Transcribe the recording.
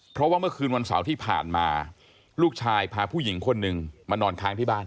เพราะว่าเมื่อคืนวันเสาร์ที่ผ่านมาลูกชายพาผู้หญิงคนหนึ่งมานอนค้างที่บ้าน